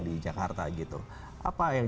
di jakarta gitu apa yang